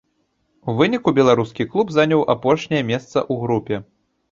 У выніку беларускі клуб заняў апошняе месца ў групе.